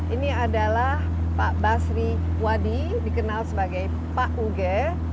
ini adalah pak basri wadi dikenal sebagai pak uge